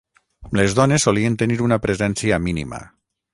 Les dones solien tenir una presència mínima.